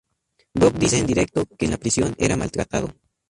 Bob dice en directo que en la prisión era maltratado.